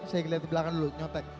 saya lihat di belakang dulu nyotek